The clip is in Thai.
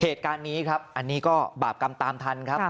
เหตุการณ์นี้ครับอันนี้ก็บาปกรรมตามทันครับ